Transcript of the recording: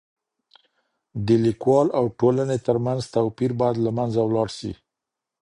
د ليکوال او ټولني ترمنځ توپير بايد له منځه ولاړ سي.